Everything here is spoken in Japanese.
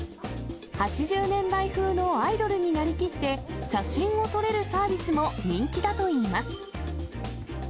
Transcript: ８０年代風のアイドルになりきって、写真を撮れるサービスも人気だといいます。